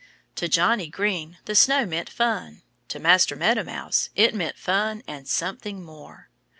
To Johnnie Green the snow meant fun. To Master Meadow Mouse it meant fun and something more.